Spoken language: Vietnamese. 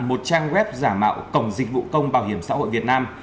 một trang web giả mạo cổng dịch vụ công bảo hiểm xã hội việt nam